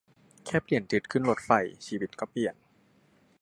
แค่เปลี่ยนทิศขึ้นรถไฟ ชีวิตก็เปลี่ยน